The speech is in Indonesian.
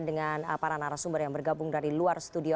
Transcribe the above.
dengan para narasumber yang bergabung dari luar studio